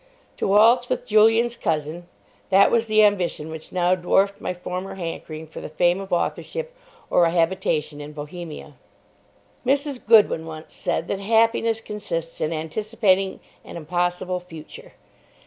To waltz with Julian's cousin—that was the ambition which now dwarfed my former hankering for the fame of authorship or a habitation in Bohemia. Mrs. Goodwin once said that happiness consists in anticipating an impossible future.